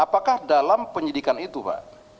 apakah dalam penyidikan itu pak